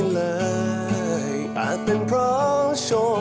ก้าวเบื้องก้าว